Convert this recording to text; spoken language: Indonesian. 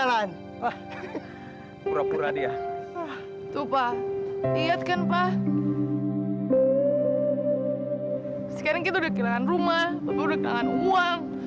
sampai jumpa di video selanjutnya